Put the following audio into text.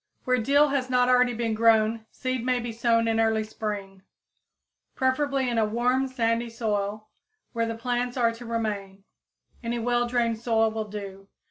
_ Where dill has not already been grown seed may be sown in early spring, preferably in a warm sandy soil, where the plants are to remain. Any well drained soil will do.